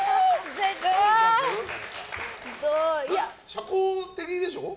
社交的でしょ？